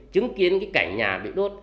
chứng kiến cái cảnh nhà bị đốt